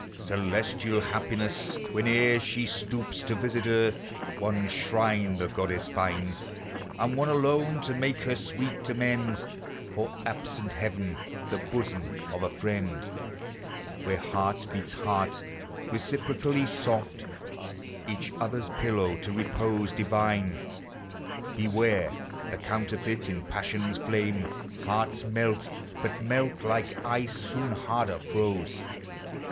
(Celestial Happiness, whene'er she stoops To visit Earth, one shrine the goddess finds. And one alone, to make her sweet amends For absent Heaven — the bosom of a friend; Where heart meets heart, reciprocally soft, Each other a pillow to repose divine. Itewarc the counterfeit ; in passion's flame Hearts melt, but melt like ice, soon harder froze.